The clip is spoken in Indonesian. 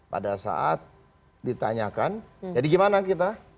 pada saat ditanyakan jadi gimana kita